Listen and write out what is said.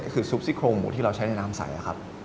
คือซุปซี่โครงหมูที่เราใช้ในน้ำใสครับ